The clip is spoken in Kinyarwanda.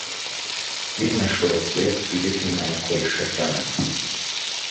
binashobotse tujye tunayakoresha cyane